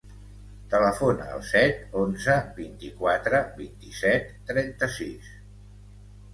Telefona al set, onze, vint-i-quatre, vint-i-set, trenta-sis.